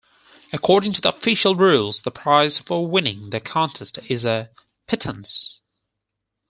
According to the official rules, the prize for winning the contest is "a pittance".